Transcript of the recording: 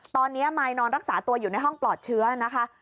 ตอนนี้มายนอนรักษาตัวอยู่ในห้องปลอดเชื้อนะคะ